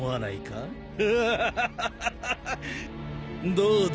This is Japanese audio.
どうだ？